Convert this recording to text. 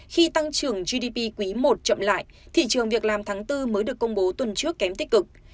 khi tăng trưởng gdp quý i chậm lại thị trường việc làm tháng bốn mới được công bố tuần trước kém tích cực